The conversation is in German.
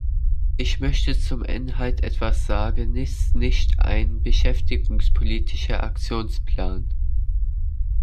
Ich möchte zum Inhalt etwas sagenist nicht ein beschäftigungspolitischer Aktionsplan.